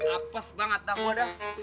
aneh bangetlah udah